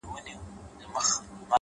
• هره ورځ به په دعا یو د زړو کفن کښانو ,